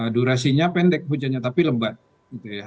durasinya pendek hujannya tapi lebat gitu ya